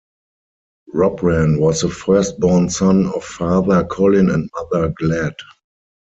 Robran was the firstborn son of father Colin and mother Glad.